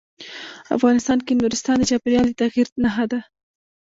افغانستان کې نورستان د چاپېریال د تغیر نښه ده.